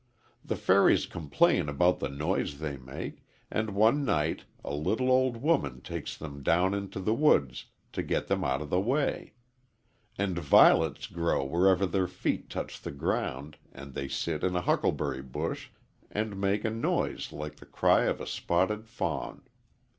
The fairies complain about the noise they make, and one night a little old woman takes them down into the woods to get them out of the way. And violets grow wherever their feet touch the ground, and they sit in a huckleberry bush and make a noise like the cry of a spotted fawn.